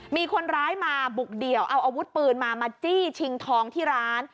มีคนร้ายมาบุกเดี่ยวเอาอาวุธปืนมามาจี้ชิงทองที่ร้าน